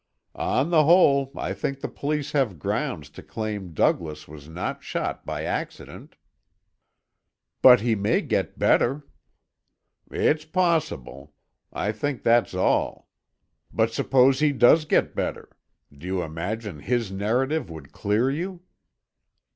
On the whole, I think the police have grounds to claim Douglas was not shot by accident." "But he may get better." "It's possible; I think that's all. But suppose he does get better? Do you imagine his narrative would clear you?"